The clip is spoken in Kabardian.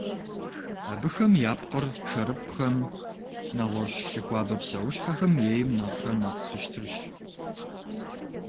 Абыхэм я пкъыр шэрыпӀхэм, нэгъуэщӀ лъы хуабэ псэущхьэхэм ейм нэхърэ нэхъ пщтырщ.